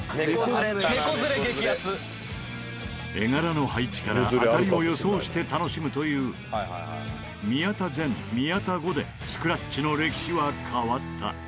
絵柄の配置から当たりを予想して楽しむという宮田前宮田後でスクラッチの歴史は変わった。